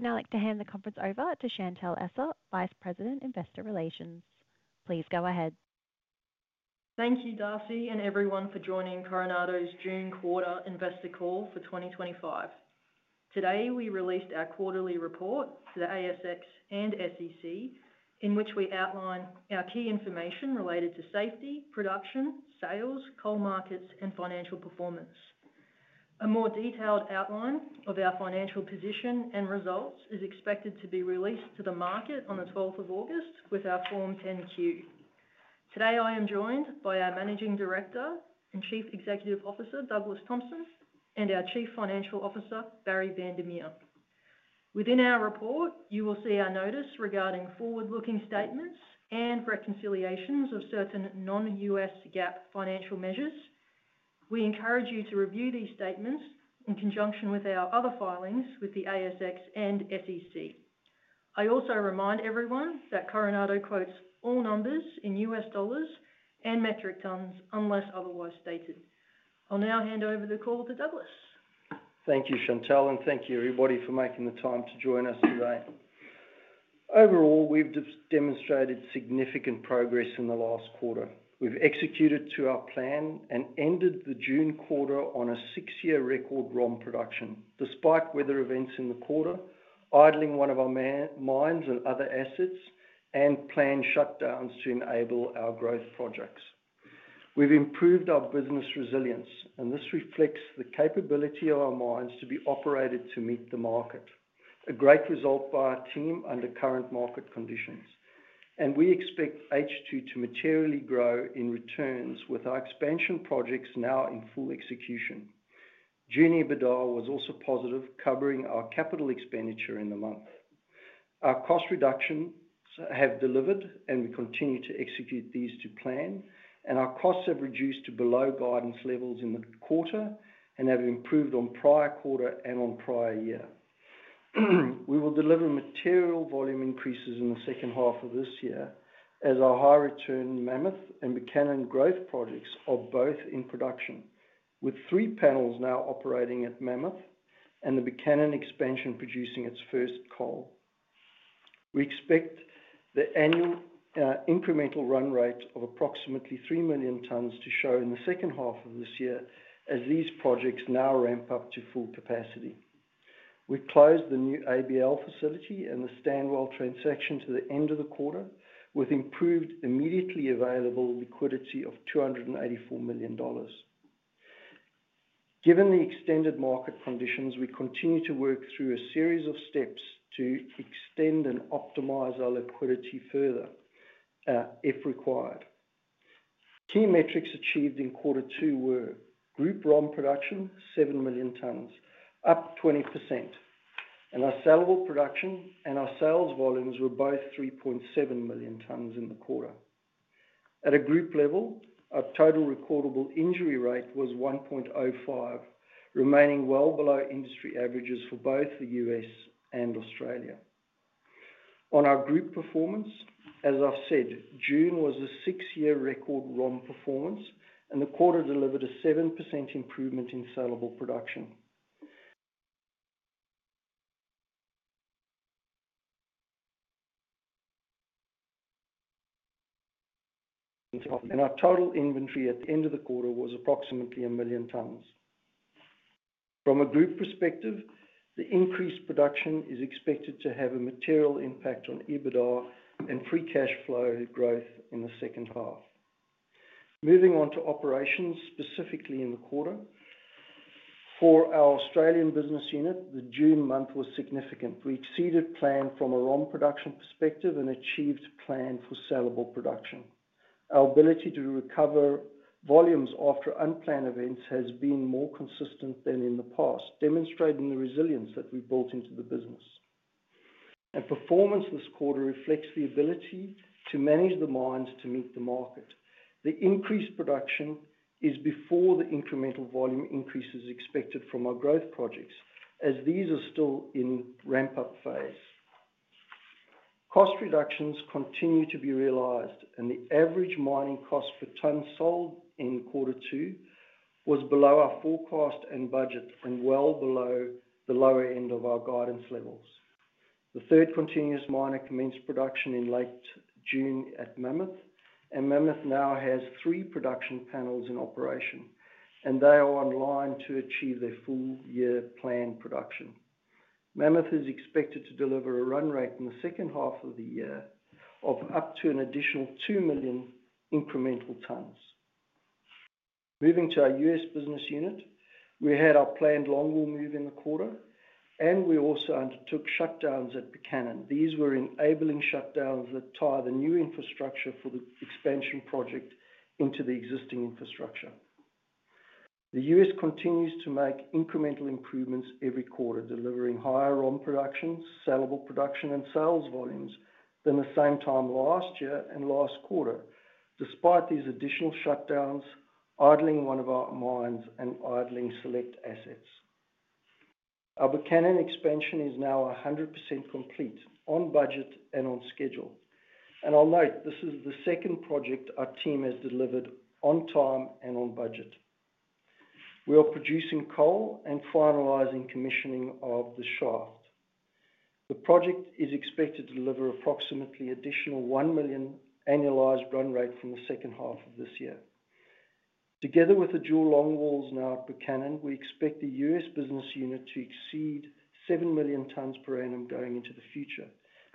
I would now like to hand the conference over to Chantelle Essa, Vice President, Investor Relations. Please go ahead. Thank you, Darcy, and everyone for joining Coronado Global Resources' June quarter Investor Call for 2025. Today, we released our quarterly report for the ASX and SEC, in which we outlined our key information related to safety, production, sales, coal markets, and financial performance. A more detailed outline of our financial position and results is expected to be released to the market on 12th August, with our Form 10-Q. Today, I am joined by our Managing Director and Chief Executive Officer, Douglas Thompson, and our Chief Financial Officer, Barrie van der Merwe. Within our report, you will see our notice regarding forward-looking statements and reconciliations of certain non-U.S. GAAP financial measures. We encourage you to review these statements in conjunction with our other filings with the ASX and SEC. I also remind everyone that Coronado Global Resources quotes all numbers in U.S. dollars and metric tons unless otherwise stated. I'll now hand over the call to Douglas. Thank you, Chantelle, and thank you, everybody, for making the time to join us today. Overall, we've demonstrated significant progress in the last quarter. We've executed to our plan and ended the June quarter on a six-year record ROM production, despite weather events in the quarter, idling one of our mines and other assets, and planned shutdowns to enable our growth projects. We've improved our business resilience, and this reflects the capability of our mines to be operated to meet the market, a great result by our team under current market conditions. We expect H2 to materially grow in returns with our expansion projects now in full execution. June EBITDA was also positive, covering our capital expenditure in the month. Our cost reductions have delivered, and we continue to execute these to plan. Our costs have reduced to below guidance levels in the quarter and have improved on prior quarter and on prior year. We will deliver material volume increases in the second half of this year as our high-return Mammoth and Buchanan growth projects are both in production, with three panels now operating at Mammoth and the Buchanan expansion producing its first coal. We expect the annual incremental run rate of approximately 3 million tons to show in the second half of this year as these projects now ramp up to full capacity. We closed the new ABL facility and the Stanwell transaction to the end of the quarter, with improved immediately available liquidity of $284 million. Given the extended market conditions, we continue to work through a series of steps to extend and optimize our liquidity further, if required. Key metrics achieved in quarter two were group ROM production, 7 million tons, up 20%. Our salable production and our sales volumes were both 3.7 million tons in the quarter. At a group level, our total recordable injury rate was 1.05, remaining well below industry averages for both the U.S. and Australia. On our group performance, as I've said, June was a six-year record ROM performance, and the quarter delivered a 7% improvement in salable production. Our total inventory at the end of the quarter was approximately 1 million tons. From a group perspective, the increased production is expected to have a material impact on EBITDA and free cash flow growth in the second half. Moving on to operations, specifically in the quarter, for our Australian business unit, the June month was significant. We exceeded plan from a ROM production perspective and achieved plan for salable production. Our ability to recover volumes after unplanned events has been more consistent than in the past, demonstrating the resilience that we've built into the business. Performance this quarter reflects the ability to manage the mines to meet the market. The increased production is before the incremental volume increases expected from our growth projects, as these are still in ramp-up phase. Cost reductions continue to be realized, and the average mining cost per ton sold in quarter two was below our forecast and budget and well below the lower end of our guidance levels. The third continuous miner commenced production in late June at Mammoth, and Mammoth now has three production panels in operation. They are online to achieve their full-year planned production. Mammoth is expected to deliver a run rate in the second half of the year of up to an additional 2 million incremental tons. Moving to our U.S. business unit, we had our planned longwall move in the quarter, and we also undertook shutdowns at Buchanan. These were enabling shutdowns that tie the new infrastructure for the expansion project into the existing infrastructure. The U.S. continues to make incremental improvements every quarter, delivering higher ROM production, salable production, and sales volumes than the same time last year and last quarter, despite these additional shutdowns, idling one of our mines and idling select assets. Our Buchanan expansion is now 100% complete, on budget and on schedule. I'll note, this is the second project our team has delivered on time and on budget. We are producing coal and finalizing commissioning of the shaft. The project is expected to deliver approximately an additional 1 million annualized run rate from the second half of this year. Together with the dual long walls now at Buchanan, we expect the U.S. business unit to exceed 7 million tons per annum going into the future.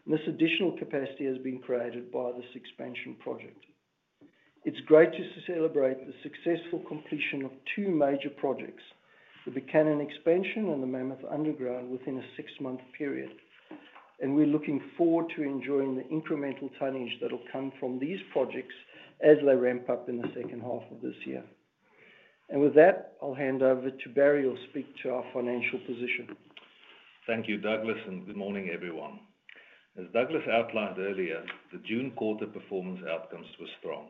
This additional capacity has been created by this expansion project. It's great to celebrate the successful completion of two major projects, the Buchanan expansion and the Mammoth Underground, within a six-month period. We're looking forward to enjoying the incremental tonnage that will come from these projects as they ramp up in the second half of this year. With that, I'll hand over to Barrie to speak to our financial position. Thank you, Douglas, and good morning, everyone. As Douglas outlined earlier, the June quarter performance outcomes were strong.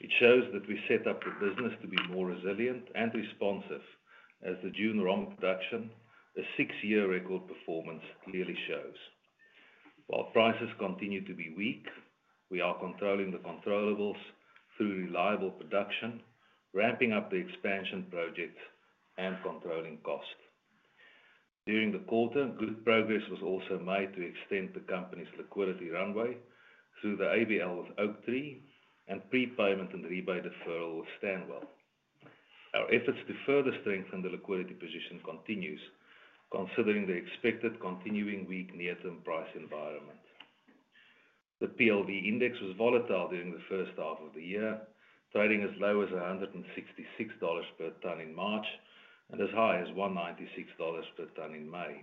It shows that we set up the business to be more resilient and responsive, as the June ROM production, a six-year record performance, clearly shows. While prices continue to be weak, we are controlling the controllables through reliable production, ramping up the expansion project, and controlling cost. During the quarter, good progress was also made to extend the company's liquidity runway through the ABL with Oaktree and prepayment and rebate deferral with Stanwell. Our efforts to further strengthen the liquidity position continue, considering the expected continuing weak near-term price environment. The PLV index was volatile during the first half of the year, trading as low as $166 per ton in March and as high as $196 per ton in May.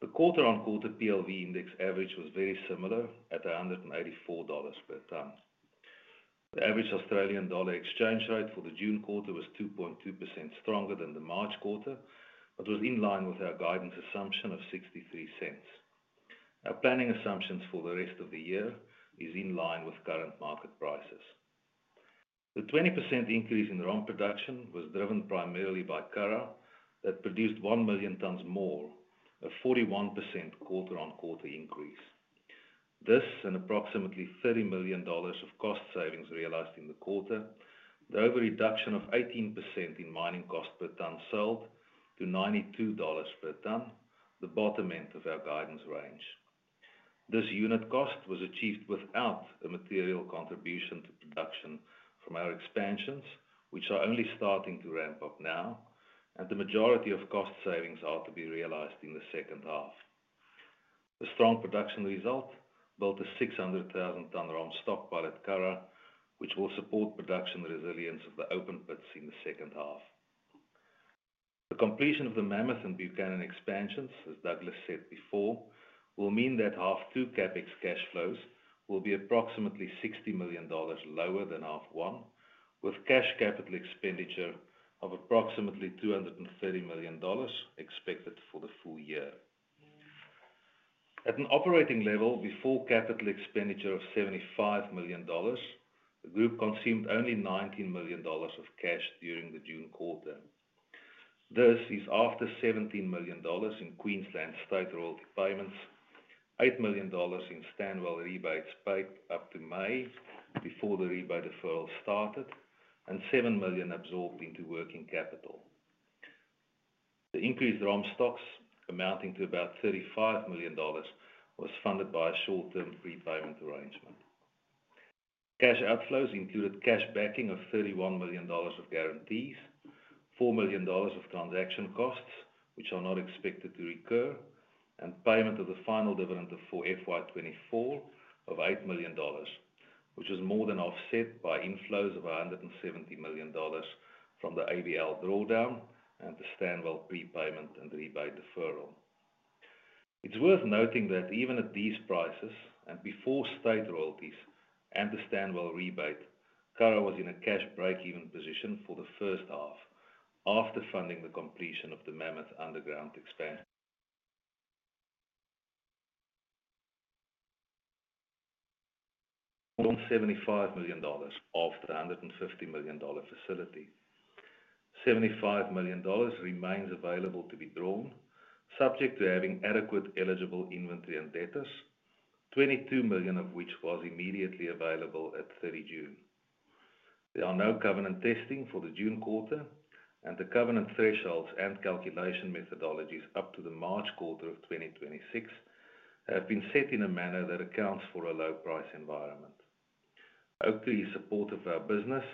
The quarter-on-quarter PLV index average was very similar at $184 per ton. The average Australian dollar exchange rate for the June quarter was 2.2% stronger than the March quarter, but was in line with our guidance assumption of $0.63. Our planning assumptions for the rest of the year are in line with current market prices. The 20% increase in ROM production Coronadowas driven primarily by Curragh, that produced 1 million tons more, a 41% quarter-on-quarter increase. This and approximately $30 million of cost savings realized in the quarter, through a reduction of 18% in mining cost per ton sold to $92 per ton, the bottom end of our guidance range. This unit cost was achieved without a material contribution to production from our expansions, which are only starting to ramp up now, and the majority of cost savings are to be realized in the second half. The strong production result built a 600,000-ton ROM stockpile at Curragh, which will support production resilience of the open pits in the second half. The completion of the Mammoth and Buchanan expansions, as Douglas said before, will mean that half two CapEx cash flows will be approximately $60 million lower than half one, with cash capital expenditure of approximately $230 million expected for the full year. At an operating level before capital expenditure of $75 million, the group consumed only $19 million of cash during the June quarter. This is after $17 million in Queensland state royalty payments, $8 million in Stanwell rebates spiked up to May before the rebate deferral started, and $7 million absorbed into working capital. The increased ROM stocks, amounting to about $35 million, were funded by a short-term free driving arrangement. Cash outflows included cash backing of $31 million of guarantees, $4 million of transaction costs, which are not expected to recur, and payment of the final dividend for FY24 of $8 million, which was more than offset by inflows of $170 million from the ABL drawdown and the Stanwell prepayment and rebate deferral. It's worth noting that even at these prices and before state royalties and the Stanwell rebate, Coronado was in a cash breakeven position for the first half, after funding the completion of the Mammoth Underground expansion. Drawn $75 million off the $150 million facility. $75 million remains available to be drawn, subject to having adequate eligible inventory and debtors, $22 million of which was immediately available at 30 June. There are no covenant testing for the June quarter, and the covenant thresholds and calculation methodologies up to the March quarter of 2026 have been set in a manner that accounts for a low price environment. Oaktree is supportive of our business,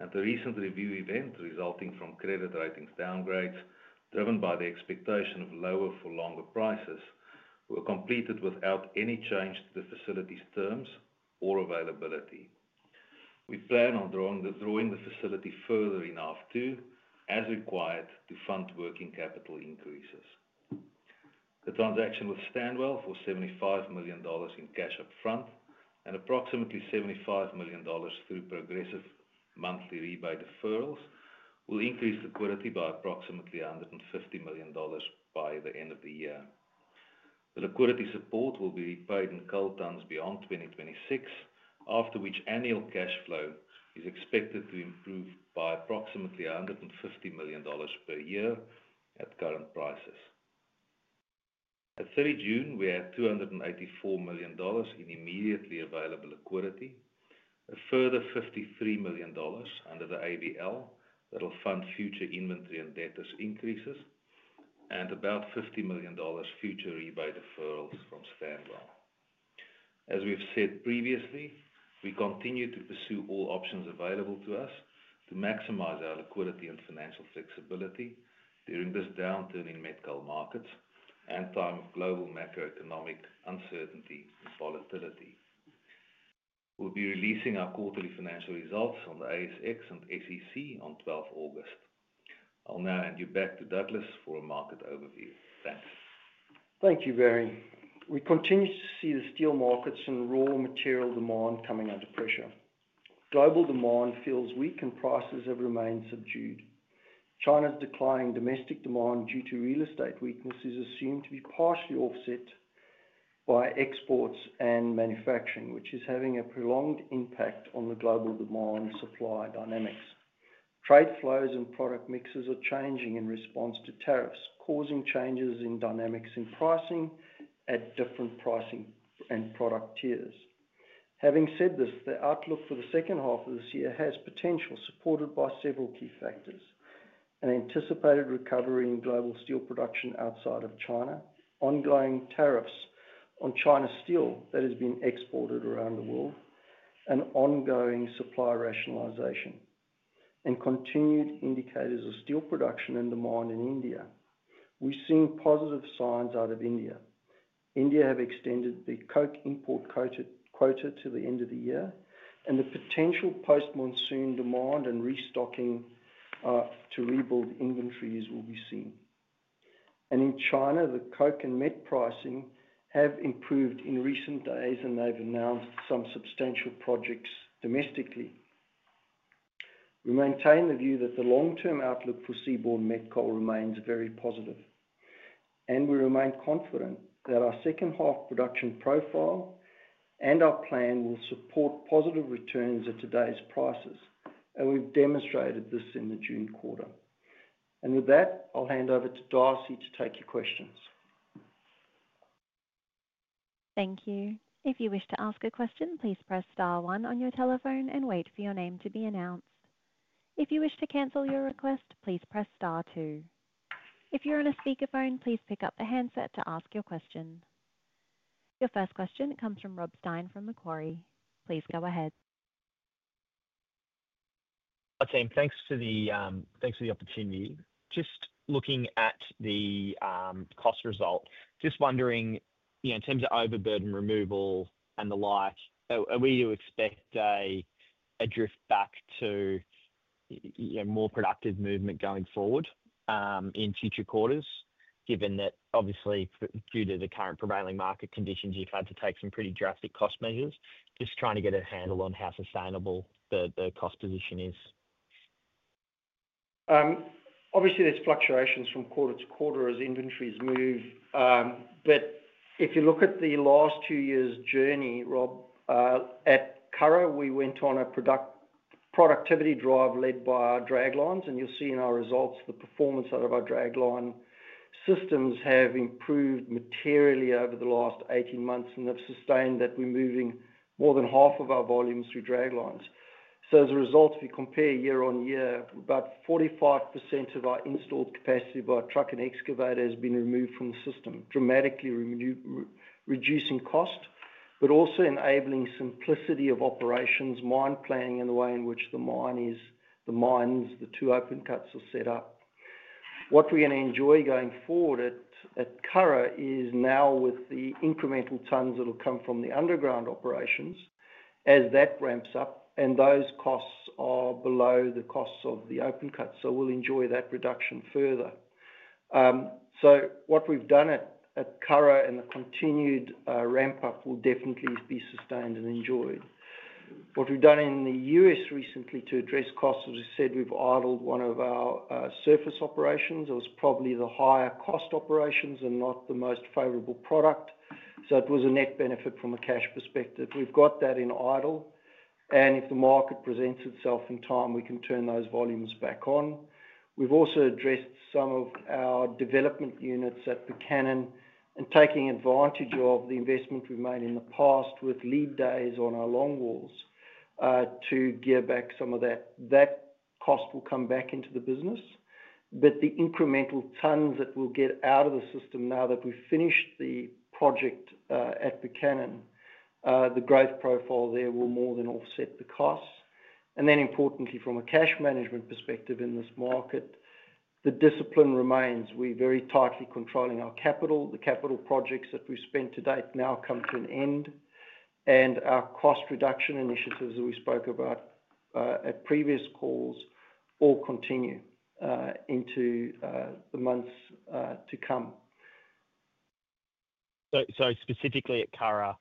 and the recent review event resulting from credit ratings downgrades, driven by the expectation of lower for longer prices, were completed without any change to the facility's terms or availability. We plan on drawing the facility further in half two, as required, to fund working capital increases. The transaction with Stanwell for $75 million in cash upfront and approximately $75 million through progressive monthly rebate deferrals will increase liquidity by approximately $150 million by the end of the year. The liquidity support will be repaid in coal tons beyond 2026, after which annual cash flow is expected to improve by approximately $150 million per year at current prices. At 30 June, we had $284 million in immediately available liquidity, a further $53 million under the ABL that will fund future inventory and debtors increases, and about $50 million future rebate deferrals from Stanwell. As we have said previously, we continue to pursue all options available to us to maximize our liquidity and financial flexibility during this downturn in met coal markets and time of global macroeconomic uncertainty with volatility. We'll be releasing our quarterly financial results on the ASX and SEC on 12th August. I'll now hand you back to Douglas for a market overview. Thanks. Thank you, Barrie. We continue to see the steel markets and raw material demand coming under pressure. Global demand feels weak, and prices have remained subdued. China's declining domestic demand due to real estate weakness is assumed to be partially offset by exports and manufacturing, which is having a prolonged impact on the global demand-supply dynamics. Trade flows and product mixes are changing in response to tariffs, causing changes in dynamics in pricing at different pricing and product tiers. Having said this, the outlook for the second half of this year has potential, supported by several key factors: an anticipated recovery in global steel production outside of China, ongoing tariffs on China steel that has been exported around the world, ongoing supply rationalization, and continued indicators of steel production and demand in India. We've seen positive signs out of India. India have extended the import quota to the end of the year, and the potential post-monsoon demand and restocking to rebuild inventories will be seen. In China, the coke and met pricing have improved in recent days, and they've announced some substantial projects domestically. We maintain the view that the long-term outlook for seaborne metallurgical coal remains very positive. We remain confident that our second-half production profile and our plan will support positive returns at today's prices, and we've demonstrated this in the June quarter. With that, I'll hand over to Darcy to take your questions. Thank you. If you wish to ask a question, please press star one on your telephone and wait for your name to be announced. If you wish to cancel your request, please press star two. If you're on a speakerphone, please pick up the handset to ask your question. Your first question comes from Rob Stein from Macquarie. Please go ahead. Thanks for the opportunity. Just looking at the cost result, just wondering, in terms of overburden removal and the like, are we to expect a drift back to more productive movement going forward, in future quarters given that obviously due to the current prevailing market conditions, you've had to take some pretty drastic cost measures? Just trying to get a handle on how sustainable the cost position is. Obviously, there's fluctuations from quarter to quarter as inventories move, but if you look at the last two years' journey, Rob, at Curragh, we went on a productivity drive led by our draglines, and you'll see in our results the performance out of our dragline systems have improved materially over the last 18 months and have sustained that. We're moving more than half of our volumes through draglines. As a result, if you compare year on year, about 45% of our installed capacity by truck and excavator has been removed from the system, dramatically reducing cost, but also enabling simplicity of operations, mine planning, and the way in which the mine is, the mines, the two open cuts are set up. What we're going to enjoy going forward at Curragh is now with the incremental tons that will come from the underground operations as that ramps up, and those costs are below the costs of the open cuts, we'll enjoy that reduction further. What we've done at Curragh and the continued ramp-up will definitely be sustained and enjoyed. What we've done in the U.S. recently to address costs, as I said, we've idled one of our surface operations. It was probably the higher cost operations and not the most favorable product, so it was a net benefit from a cash perspective. We've got that in idle, and if the market presents itself in time, we can turn those volumes back on. We've also addressed some of our development units at Buchanan and taking advantage of the investment we've made in the past with lead days on our long walls, to give back some of that. That cost will come back into the business, but the incremental tons that we'll get out of the system now that we've finished the project at Buchanan, the growth profile there will more than offset the costs. Importantly, from a cash management perspective in this market, the discipline remains. We're very tightly controlling our capital. The capital projects that we've spent to date now come to an end, and our cost reduction initiatives that we spoke about at previous calls all continue into the months to come. Specifically at Curragh,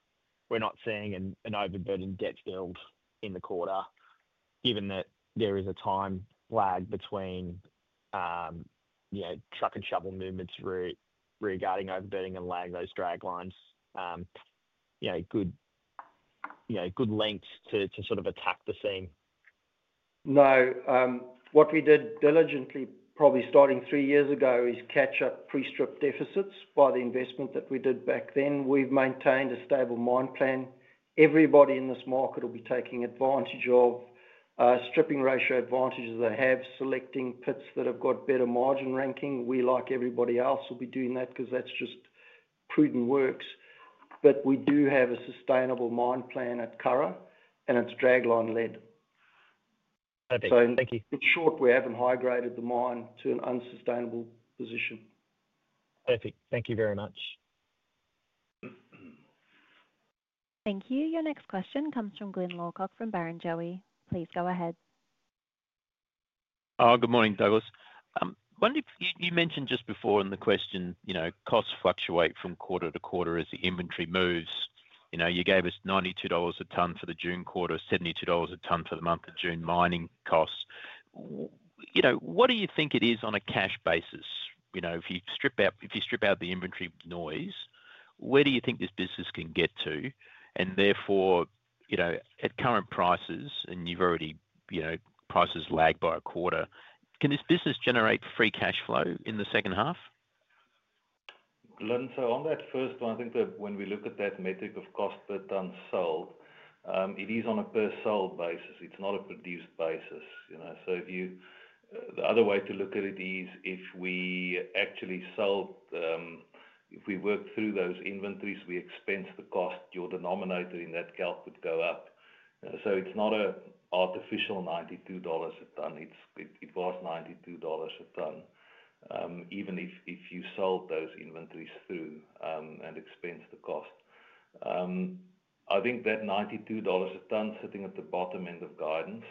we're not seeing an overburden debt build in the quarter given that there is a time lag between, you know, truck and shuttle movements regarding overburdening and lag those draglines, you know, good length to sort of attack the same. No. What we did diligently, probably starting three years ago, is catch up pre-strip deficits by the investment that we did back then. We've maintained a stable mine plan. Everybody in this market will be taking advantage of stripping ratio advantages they have, selecting pits that have got better margin ranking. We, like everybody else, will be doing that because that's just prudent works. We do have a sustainable mine plan at Curragh, and it's dragline led. Perfect. Thank you. In short, we haven't high-graded the mine to an unsustainable position. Perfect. Thank you very much. Thank you. Your next question comes from Glynn Lawcock from Barrenjoey. Please go ahead. Good morning, Douglas. I wonder if you mentioned just before in the question, you know, costs fluctuate from quarter to quarter as the inventory moves. You gave us $92 a ton for the June quarter, $72 a ton for the month of June mining costs. What do you think it is on a cash basis? If you strip out the inventory noise, where do you think this business can get to? Therefore, at current prices, and you've already, you know, prices lagged by a quarter, can this business generate free cash flow in the second half? On that first one, I think that when we look at that metric of cost per ton sold, it is on a per-sold basis. It's not a produced basis. If you, the other way to look at it is if we actually sold, if we worked through those inventories, we expense the cost, your denominator in that calc would go up. It's not an artificial $92 a ton. It was $92 a ton, even if you sold those inventories through and expense the cost. I think that $92 a ton is sitting at the bottom end of guidance,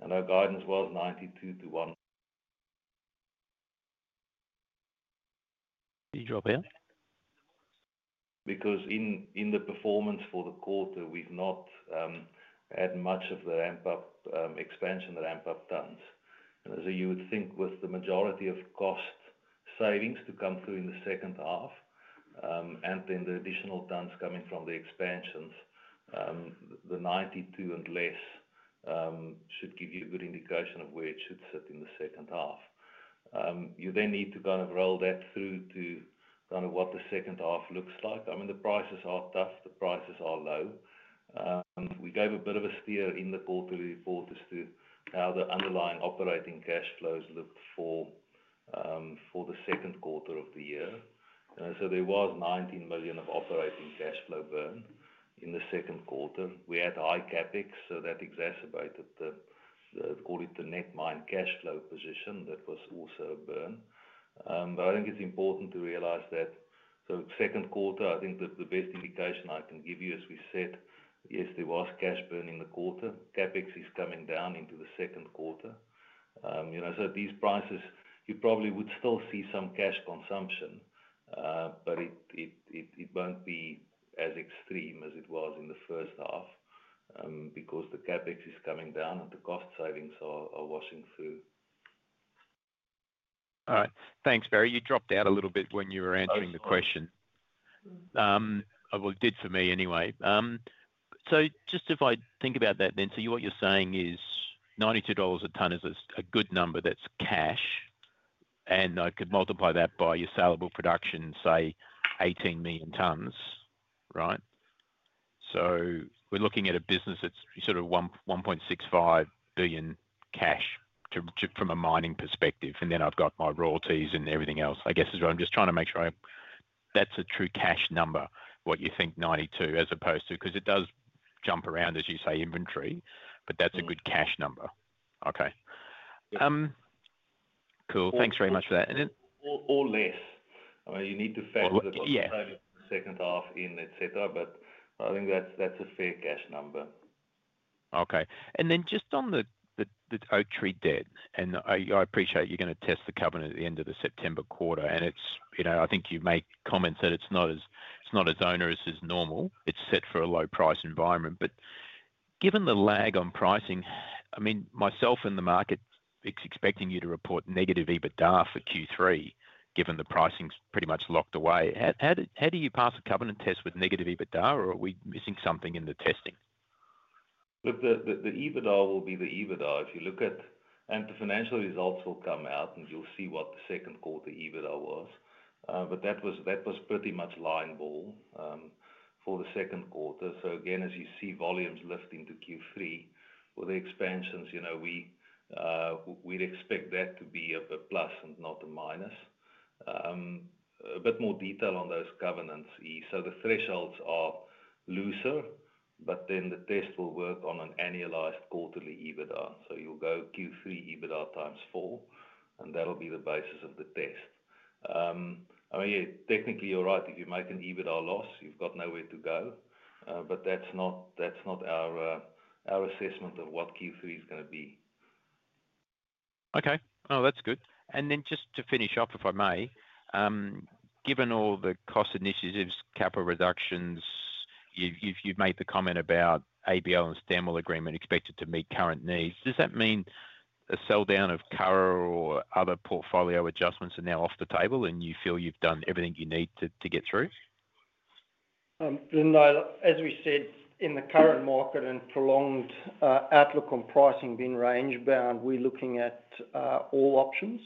and our guidance was $92-$1. Did you drop it? Because in the performance for the quarter, we've not had much of the ramp-up, expansion ramp-up tons. As you would think, with the majority of cost savings to come through in the second half, and then the additional tons coming from the expansions, the 92 and less should give you a good indication of where it should sit in the second half. You then need to kind of roll that through to what the second half looks like. I mean, the prices are tough. The prices are low. We gave a bit of a steer in the quarterly report as to how the underlying operating cash flows looked for the second quarter of the year. There was $19 million of operating cash flow burned in the second quarter. We had high CapEx, so that exacerbated the net mine cash flow position that was also a burn. I think it's important to realize that. Second quarter, I think that the best indication I can give you, as we said, yes, there was cash burn in the quarter. CapEx is coming down into the second quarter. At these prices, you probably would still see some cash consumption, but it won't be as extreme as it was in the first half, because the CapEx is coming down and the cost savings are washing through. All right. Thanks, Barrie. You dropped out a little bit when you were answering the question. It did for me anyway. If I think about that then, what you're saying is $92 a ton is a good number that's cash, and I could multiply that by your salable production, say 18 million tons, right? We're looking at a business that's sort of $1.65 billion cash from a mining perspective, and then I've got my royalties and everything else, I guess, is what I'm just trying to make sure I'm, that's a true cash number, what you think $92, as opposed to, because it does jump around, as you say, inventory, but that's a good cash number. Okay. Cool. Thanks very much for that. Or less. You need to factor the second half in, et cetera, but I think that's a fair cash number. Okay. On the Oaktree debt, I appreciate you're going to test the covenant at the end of the September quarter. I think you make comments that it's not as onerous as normal. It's set for a low-price environment. Given the lag on pricing, myself and the market are expecting you to report negative EBITDA for Q3, given the pricing's pretty much locked away. How do you pass a covenant test with negative EBITDA, or are we missing something in the testing? The EBITDA will be the EBITDA if you look at, and the financial results will come out, and you'll see what the second quarter EBITDA was. That was pretty much line ball for the second quarter. As you see volumes lift into Q3 with the expansions, we'd expect that to be a plus and not a minus. A bit more detail on those covenants, the thresholds are looser, but the test will work on an annualized quarterly EBITDA. You'll go Q3 EBITDA times four, and that'll be the basis of the test. I mean, yeah, technically, you're right. If you make an EBITDA loss, you've got nowhere to go. That's not our assessment of what Q3 is going to be. Okay. That's good. Just to finish off, if I may, given all the cost initiatives, capital reductions, you've made the comment about ABL and Stanwell agreement expected to meet current needs. Does that mean a sell-down of Curragh or other portfolio adjustments are now off the table, and you feel you've done everything you need to get through? No. As we said, in the current market and prolonged outlook on pricing being range-bound, we're looking at all options.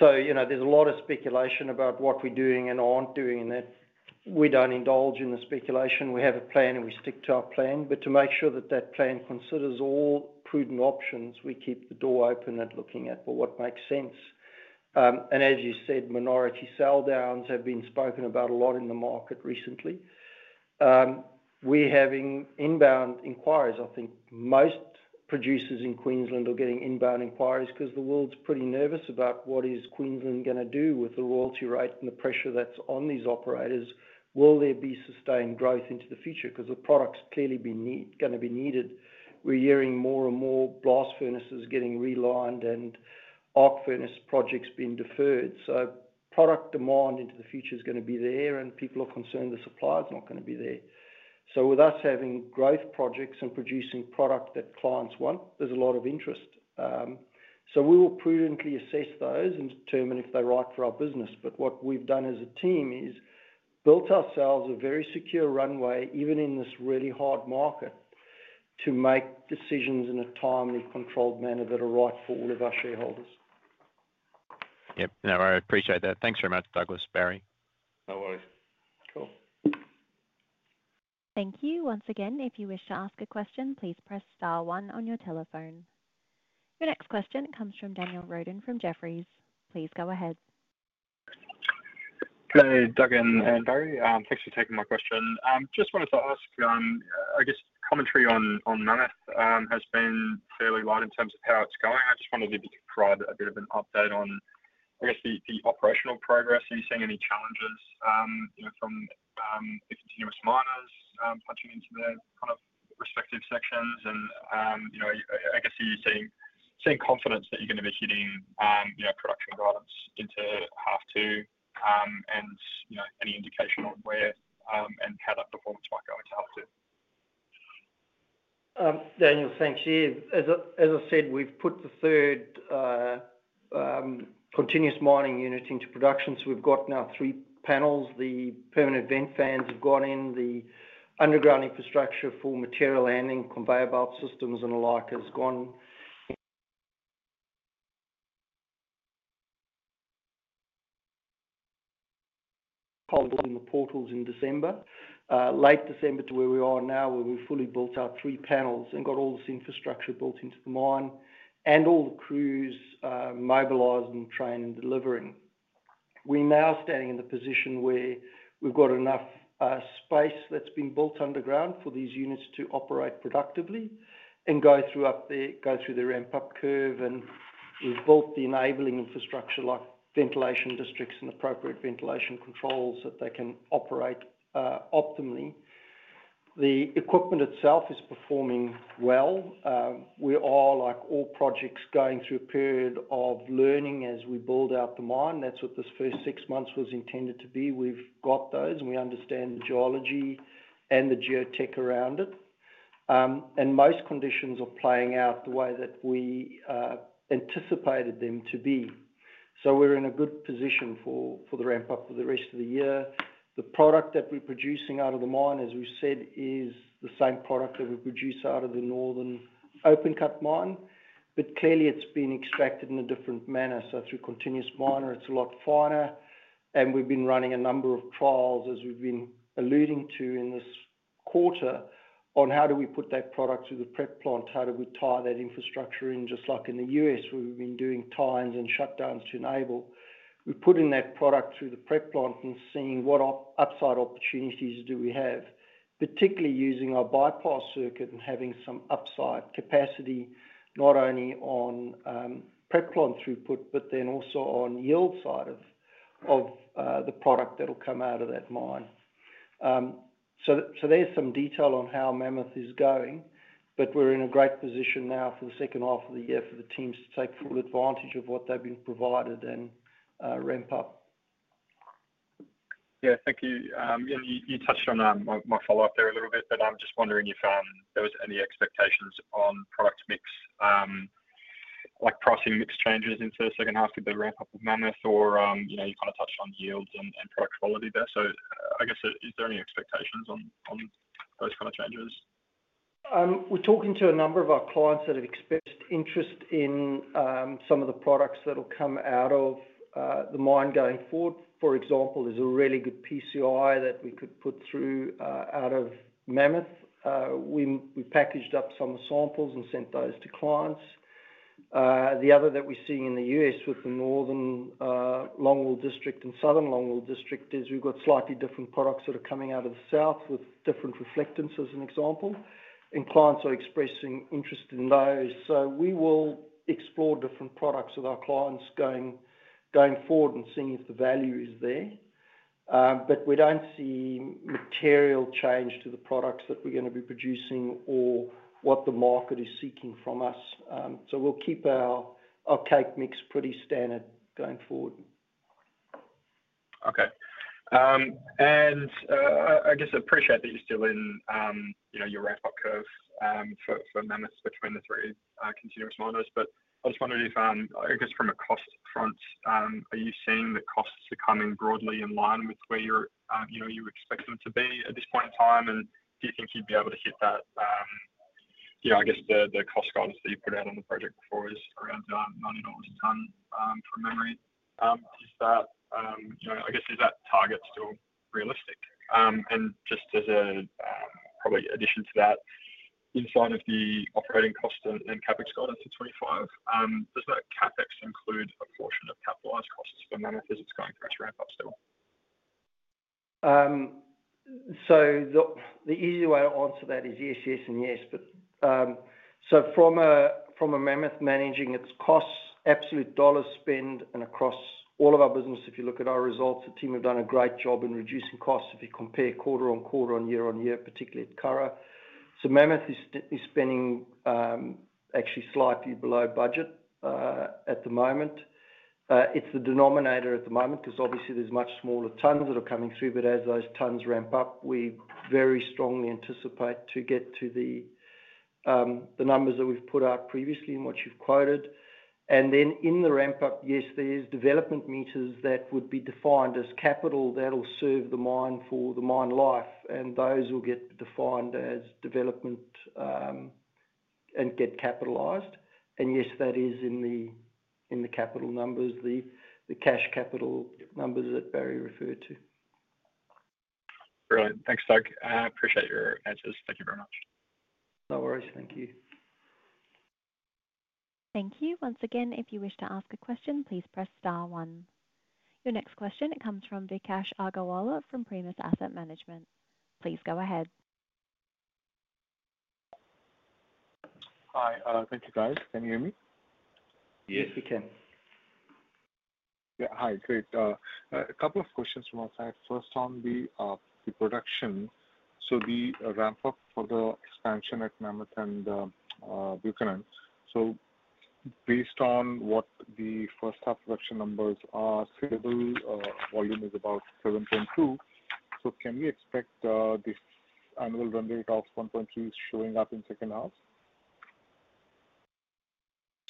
There's a lot of speculation about what we're doing and aren't doing in that. We don't indulge in the speculation. We have a plan, and we stick to our plan. To make sure that plan considers all prudent options, we keep the door open at looking at what makes sense. As you said, minority sell-downs have been spoken about a lot in the market recently. We're having inbound inquiries. I think most producers in Queensland are getting inbound inquiries because the world's pretty nervous about what is Queensland going to do with the royalty rate and the pressure that's on these operators. Will there be sustained growth into the future? The product's clearly going to be needed. We're hearing more and more blast furnaces getting realigned and arc furnace projects being deferred. Product demand into the future is going to be there, and people are concerned the supply is not going to be there. With us having growth projects and producing product that clients want, there's a lot of interest. We will prudently assess those and determine if they're right for our business. What we've done as a team is built ourselves a very secure runway, even in this really hard market, to make decisions in a timely, controlled manner that are right for all of our shareholders. Yeah, no, I appreciate that. Thanks very much, Douglas, Barrie. No worries. Cool. Thank you. Once again, if you wish to ask a question, please press star one on your telephone. Your next question comes from Daniel Roden from Jefferies. Please go ahead. Doug and Barrie, thanks for taking my question. I just wanted to ask, I guess, commentary on Mammoth has been fairly light in terms of how it's going. I just wondered if you could provide a bit of an update on, I guess, the operational progress. Are you seeing any challenges from continuous miners punching into their kind of respective sections? You know, are you seeing confidence that you're going to be hitting production guidance into half two, and the indication on where and how that football might go into half two. Daniel, thanks. Yeah, as I said, we've put the third continuous miner unit into production. We've got now three panels. The permanent vent fans have gone in. The underground infrastructure for material handling, conveyor belt systems, and the like has gone. Call. In the portals in December, late December to where we are now, where we fully built our three panels and got all this infrastructure built into the mine and all the crews mobilized and trained and delivering, we're now standing in the position where we've got enough space that's been built underground for these units to operate productively and go through up there, go through the ramp-up curve, and we've built the enabling infrastructure like ventilation districts and appropriate ventilation controls that they can operate optimally. The equipment itself is performing well. We are, like all projects, going through a period of learning as we build out the mine. That's what this first six months was intended to be. We've got those, and we understand the geology and the geotech around it, and most conditions are playing out the way that we anticipated them to be. We are in a good position for the ramp-up for the rest of the year. The product that we're producing out of the mine, as we said, is the same product that we produce out of the northern open cut mine, but clearly, it's been extracted in a different manner. Through continuous miner, it's a lot finer. We've been running a number of trials, as we've been alluding to in this quarter, on how do we put that product through the prep plant? How do we tie that infrastructure in, just like in the U.S., where we've been doing tines and shutdowns to enable? We put in that product through the prep plant and seeing what upside opportunities do we have, particularly using our bypass circuit and having some upside capacity, not only on prep plant throughput, but then also on yield side of the product that will come out of that mine. There's some detail on how Mammoth is going, but we're in a great position now for the second half of the year for the teams to take full advantage of what they've been provided and ramp up. Yeah, thank you. You touched on my follow-up there a little bit, but I'm just wondering if there was any expectations on product mix, like pricing mix changes into the second half with the ramp-up of Mammoth, or you kind of touched on yields and product quality there. I guess, is there any expectations on those kind of changes? We're talking to a number of our clients that have expressed interest in some of the products that will come out of the mine going forward. For example, there's a really good PCI that we could put through out of Mammoth. We packaged up some samples and sent those to clients. The other that we're seeing in the U.S. with the northern longwall District and southern Longwall District is we've got slightly different products that are coming out of the south with different reflectance as an example. Clients are expressing interest in those. We will explore different products with our clients going forward and seeing if the value is there. We don't see material change to the products that we're going to be producing or what the market is seeking from us. We'll keep our cake mix pretty standard going forward. Okay, I appreciate that you're still in your ramp-up curve for Mammoth between the three continuous miners. I was wondering if, from a cost front, are you seeing that costs are coming broadly in line with where you expect them to be at this point in time? Do you think you'd be able to hit that, the cost guidance that you put out on the project before is around $1 million a ton, from memory. Is that target still realistic? Just as a probably addition to that, inside of the operating costs and CapEx guidance for 2025, does that CapEx include a portion of capitalized costs for Mammoth as it's going through its ramp-up still? The easy way to answer that is yes, yes, and yes. From a Mammoth managing its costs, absolute dollar spend, and across all of our business, if you look at our results, the team have done a great job in reducing costs if you compare quarter on quarter and year on year, particularly at Curragh. Mammoth is actually spending slightly below budget at the moment. It's the denominator at the moment because obviously there's much smaller tons that are coming through. As those tons ramp up, we very strongly anticipate to get to the numbers that we've put out previously and what you've quoted. In the ramp-up, yes, there's development meters that would be defined as capital that will serve the mine for the mine life, and those will get defined as development and get capitalized. Yes, that is in the capital numbers, the cash capital numbers that Barrie van der Merwe referred to. Brilliant. Thanks, Doug. I appreciate your answers. Thank you very much. No worries. Thank you. Thank you. Once again, if you wish to ask a question, please press star one. Your next question comes from Vikas Agarwala from Primus Asset Management. Please go ahead. Hi. Thank you, guys. Can you hear me? Yes, we can. Yeah. Hi. Great. A couple of questions from outside. First on the production. The ramp-up for the expansion at Mammoth and Buchanan, based on what the first half production numbers are, sustainable volume is about 7.2. Can we expect this annual run rate of 1.3 showing up in the second half?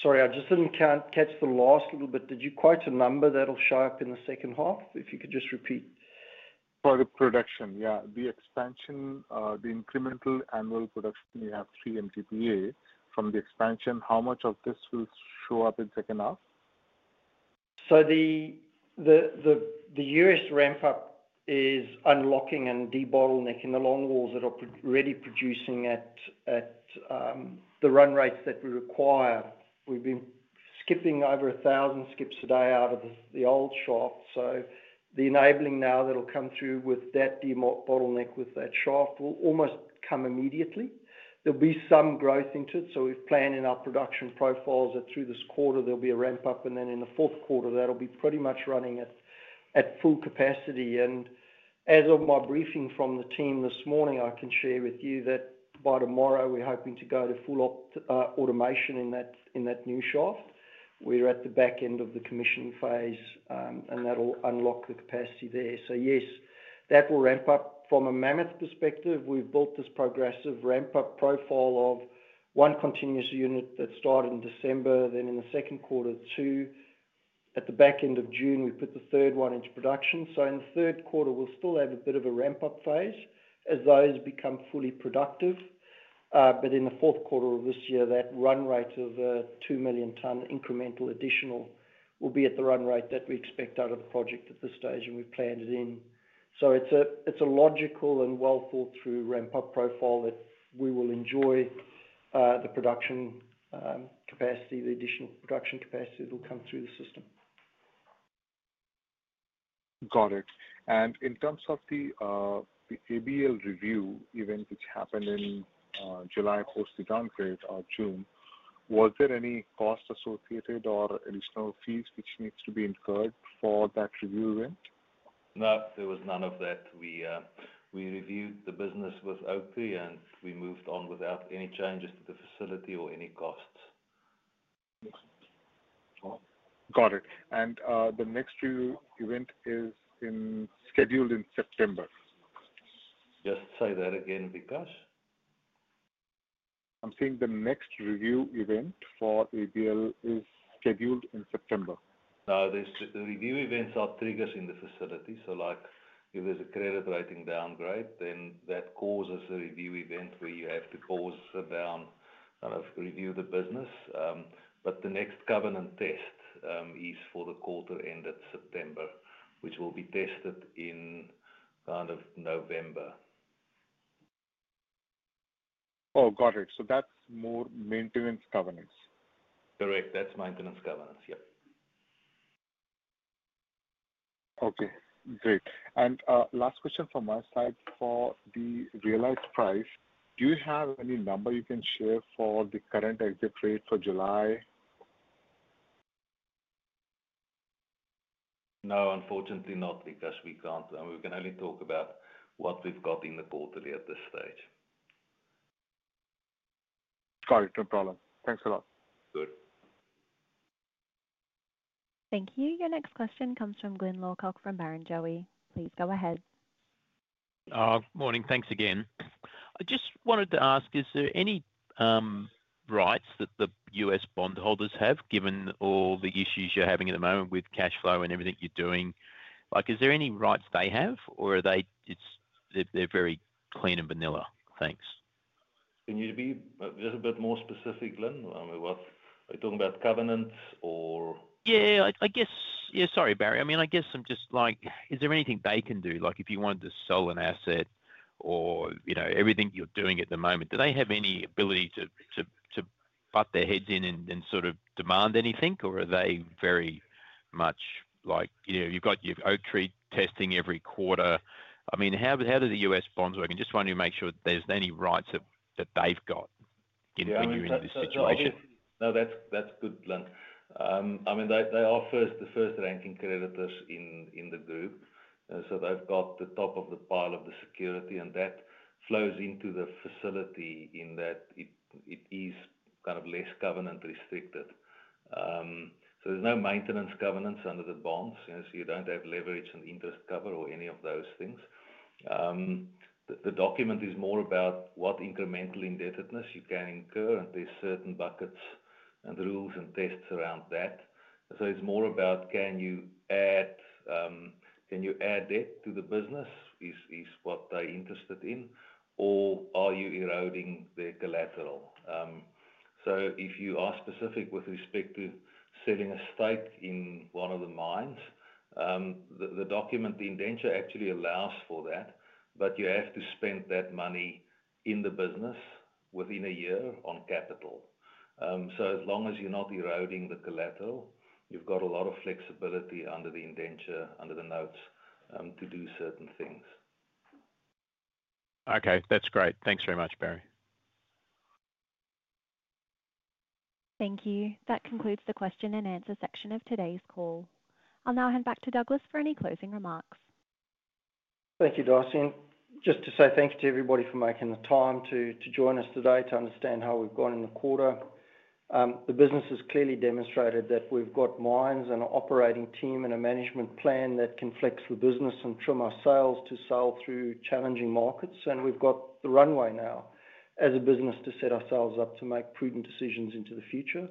Sorry, I just didn't catch the last little bit. Did you quote a number that'll show up in the second half? If you could just repeat. Product, production, yeah. The expansion, the incremental annual production, you have 3 million tons per annum from the expansion. How much of this will show up in the second half? The U.S. ramp-up is unlocking and de-bottlenecking the long walls that are already producing at the run rates that we require. We've been skipping over 1,000 skips a day out of the old shaft. The enabling now that will come through with that de-bottleneck with that shaft will almost come immediately. There'll be some growth into it. We've planned in our production profiles that through this quarter, there'll be a ramp-up, and then in the fourth quarter, that'll be pretty much running at full capacity. As of my briefing from the team this morning, I can share with you that by tomorrow, we're hoping to go to full automation in that new shaft. We're at the back end of the commission phase, and that'll unlock the capacity there. Yes, that will ramp up. From a Mammoth perspective, we've built this progressive ramp-up profile of one continuous unit that started in December, then in the second quarter, two. At the back end of June, we put the third one into production. In the third quarter, we'll still have a bit of a ramp-up phase as those become fully productive. In the fourth quarter of this year, that run rate of a 2 million ton incremental additional will be at the run rate that we expect out of the project at this stage, and we've planned it in. It's a logical and well-thought-through ramp-up profile that we will enjoy, the production, capacity, the additional production capacity that will come through the system. Got it. In terms of the ABL review event, which happened in July or June, was there any cost associated or additional fees which need to be incurred for that review event? No, there was none of that. We reviewed the business with Oaktree, and we moved on without any changes to the facility or any costs. Got it. The next review event is scheduled in September. Just say that again, Vikas. I'm saying the next review event for ABL is scheduled in September. No, the review events are triggers in the facility. If there's a credit rating downgrade, that causes a review event where you have to close down, kind of review the business. The next covenant test is for the quarter ended September, which will be tested in kind of November. Oh, got it. That's more maintenance governance. Correct. That's maintenance governance. Okay. Great. Last question from my side. For the realized price, do you have any number you can share for the current exit rate for July? No, unfortunately not, because we can't. I mean, we can only talk about what we've got in the quarter at this stage. Got it. No problem. Thanks a lot. Good. Thank you. Your next question comes from Glynn Lawcock from Barrenjoey. Please go ahead. Morning. Thanks again. I just wanted to ask, is there any rights that the U.S. bondholders have, given all the issues you're having at the moment with cash flow and everything you're doing? Is there any rights they have, or are they very clean and vanilla things? Can you be just a bit more specific, Glynn? I mean, what are you talking about, covenants, or? Yeah, sorry, Barrie. I mean, I guess I'm just like, is there anything they can do? Like, if you wanted to sell an asset or, you know, everything you're doing at the moment, do they have any ability to butt their heads in and sort of demand anything, or are they very much like, you know, you've got your Oaktree testing every quarter? I mean, how do the U.S. bonds work? I just wanted to make sure that there's any rights that they've got in you in this situation. No, that's good, Glynn. I mean, they are the first ranking creditors in the group, and so they've got the top of the pile of the security, and that flows into the facility in that it is kind of less covenant restricted. There's no maintenance governance under the bonds, so you don't have leverage and interest cover or any of those things. The document is more about what incremental indebtedness you can incur, and there's certain buckets and rules and tests around that. It's more about can you add debt to the business, is what they're interested in, or are you eroding their collateral. If you are specific with respect to selling a stake in one of the mines, the document, the indenture actually allows for that, but you have to spend that money in the business within a year on capital. As long as you're not eroding the collateral, you've got a lot of flexibility under the indenture, under the notes, to do certain things. Okay. That's great. Thanks very much, Barrie. Thank you. That concludes the question and answer section of today's call. I'll now hand back to Douglas for any closing remarks. Thank you, Darcy. Thank you to everybody for making the time to join us today to understand how we've gone in the quarter. The business has clearly demonstrated that we've got mines and an operating team and a management plan that can flex the business and trim our sales to sell through challenging markets. We've got the runway now as a business to set ourselves up to make prudent decisions into the future.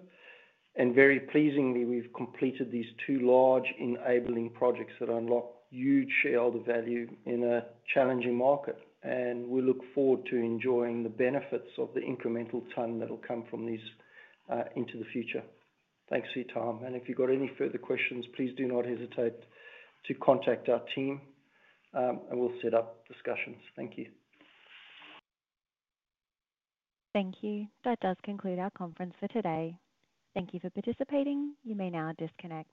Very pleasingly, we've completed these two large enabling projects that unlock huge shareholder value in a challenging market. We look forward to enjoying the benefits of the incremental ton that will come from these into the future. Thanks for your time. If you've got any further questions, please do not hesitate to contact our team, and we'll set up discussions. Thank you. Thank you. That does conclude our conference for today. Thank you for participating. You may now disconnect.